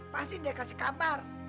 pasti dia kasih kabar